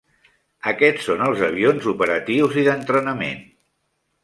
Aquests són els avions operatius i d'entrenament.